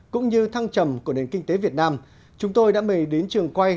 cũng như thăng trầm của nền kinh tế việt nam chúng tôi đã mời đến trường quay